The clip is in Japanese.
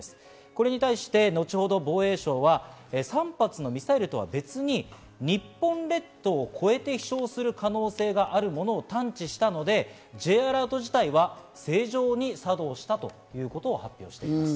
これに対して後ほど、防衛省は３発のミサイルとは別に、日本列島を越えて飛翔する可能性があるものを探知したので、Ｊアラート自体は正常に作動したということを発表しています。